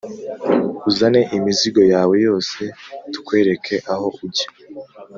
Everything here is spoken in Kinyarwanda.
uzane imizigo yawe yose tukwereke aho ujya